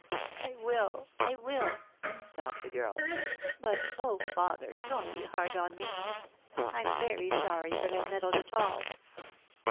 "I will, I will," sobbed the girl. "But, oh, father, don't be hard on me. I'm very sorry that I meddled at all."